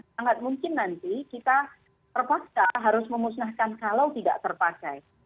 sangat mungkin nanti kita terpaksa harus memusnahkan kalau tidak terpakai